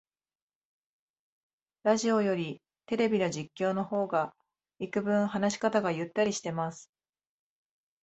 ラジオよりテレビの実況の方がいくぶん話し方がゆったりしてます